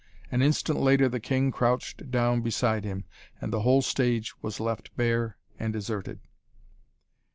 An instant later the king crouched down beside him, and the whole stage was left bare and deserted.